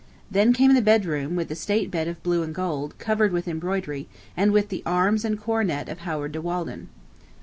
Then came the bedroom, with the state bed of blue and gold, covered with embroidery, and with the arms and coronet of Howard de Walden.